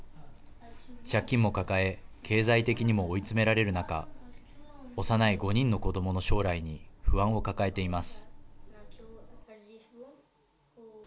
借金も抱え経済的にも追い詰められる中幼い５人の子どもの将来に不安を抱えています。